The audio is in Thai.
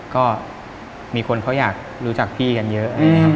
ก็มีคนเค้าอยากรู้จักพี่กันเยอะ